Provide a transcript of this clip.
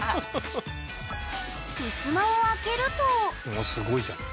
ふすまを開けるとうわすごいじゃん。